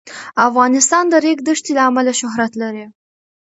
افغانستان د د ریګ دښتې له امله شهرت لري.